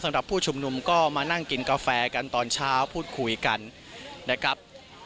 ผู้ชุมนุมก็มานั่งกินกาแฟกันตอนเช้าพูดคุยกันนะครับ